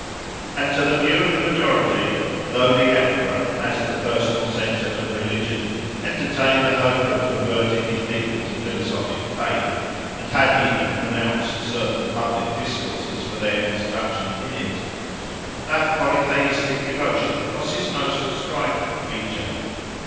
And to the view of the majority, though the emperor, as the personal centre of religion, entertained the hope of converting his people to philosophic faith, and had even pronounced certain public discourses for their instruction in it, that polytheistic devotion was his most striking feature.